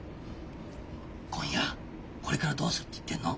今夜これからどうするって言ってんの。